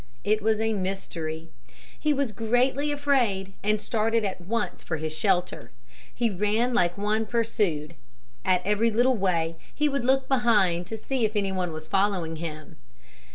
It was a mystery. He was greatly afraid and started at once for his shelter. He ran like one pursued. At every little way he would look behind to see if anyone was following him.